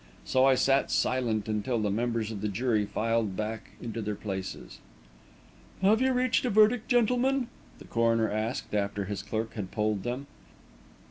So I sat silent until the members of the jury filed back into their places. "Have you reached a verdict, gentlemen?" the coroner asked, after his clerk had polled them.